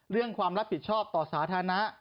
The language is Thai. เรื่องความรับผิดชอบต่อสาธารณะ